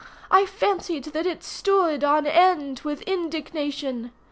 I fancied that it stood on end with indignation.